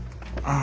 あ。